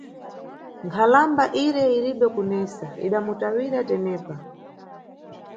Nkhalamba ire iribe kunesa, idamutawira tenepa.